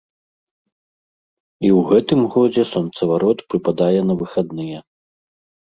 І ў гэтым годзе сонцаварот прыпадае на выхадныя.